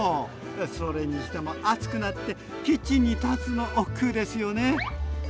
それにしても暑くなってキッチンに立つのおっくうですよね。